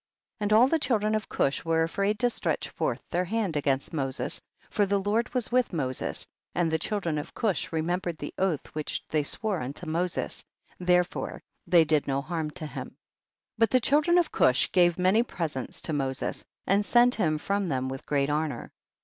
10. And all the children of Cush were afraid to stretch forth their hand against Moses, for the Lord 228 THE BOOK OF JASHER. was with Moses, and the children of Cush remembered the oath which they swore unto Moses, therefore they did no harm to him. 11. But the children of Cush gave many presents to Moses, and sent him from them with great honor.